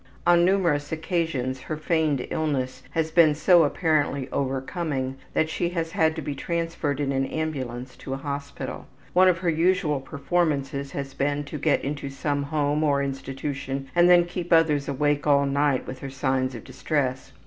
On numerous occasions her feigned illness has been so apparently overcoming that she has had to be transferred in an ambulance to a hospital. One of her usual performances has been to get into some home or institution and then keep others awake all night with her signs of distress.